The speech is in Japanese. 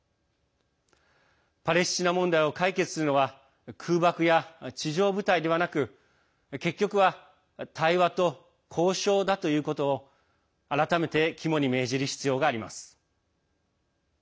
パレスチナ問題を解決するのは空爆や地上部隊ではなく結局は対話と交渉だということを改めて肝に銘じる必要があります。